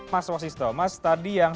mas wasisto mas tadi yang